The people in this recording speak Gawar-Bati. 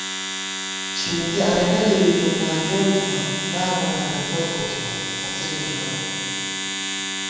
چھېپی آئیلہ لېدِتُم نانجوڑ تھنہ یار مونہ گدبت کوڅِمان پڅَئیبہ کرہ